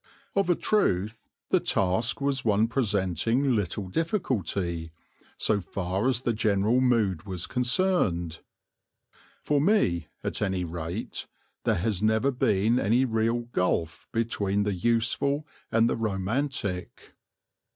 Of a truth the task was one presenting little difficulty, so far as the general mood was concerned. For me, at any rate, there has never been any real gulf between the useful and the romantic.